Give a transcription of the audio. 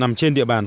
nằm trên địa bàn